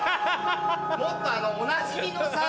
もっとおなじみのさ。